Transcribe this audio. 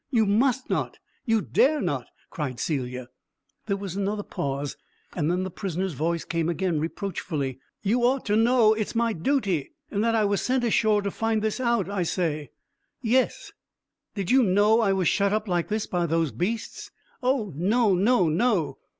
"You must not you dare not!" cried Celia. There was another pause, and then the prisoner's voice came again reproachfully. "You ought to know it's my duty, and that I was sent ashore to find this out. I say." "Yes." "Did you know I was shut up like this by those beasts?" "Oh, no, no, no!"